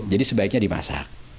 jadi sebaiknya dimasak